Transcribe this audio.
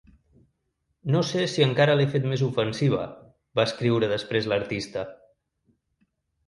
No sé si encara l’he fet més ofensiva, va escriure després l’artista.